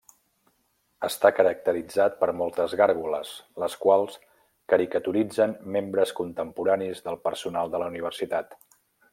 Està caracteritzat per moltes gàrgoles, les quals caricaturitzen membres contemporanis del personal de la Universitat.